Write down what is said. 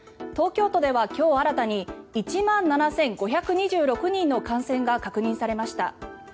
東京都では今日新たに１万７５２６人の感染が確認されました。